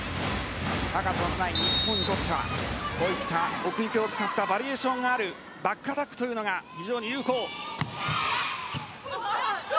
高さのない日本にとっては奥行きを使ったバリエーションがあるバックアタックというのが非常に有効。